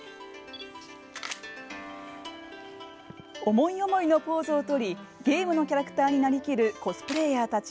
思い思いのポーズをとりゲームのキャラクターになりきるコスプレイヤーたち。